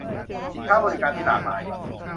สินค้าบริการที่หลากหลาย